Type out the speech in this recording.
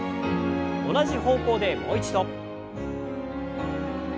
同じ方向でもう一度。